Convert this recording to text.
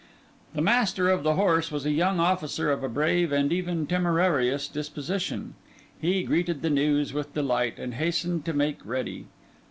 The Master of the Horse was a young officer of a brave and even temerarious disposition. He greeted the news with delight, and hastened to make ready.